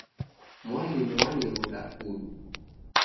Mwalimu waniruda kudu.